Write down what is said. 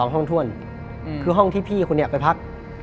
ห้องถ้วนคือห้องที่พี่คนนี้ไปพัก